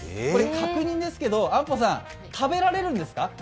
確認ですけど、安保さん、これ食べられるんですか？